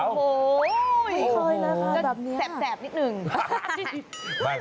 โอ้โฮไม่เคยนะคะแบบนี้